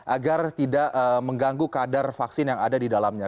agar tidak mengganggu kadar vaksin yang ada di dalamnya